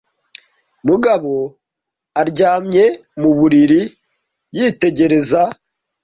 Mugabo aryamye mu buriri yitegereza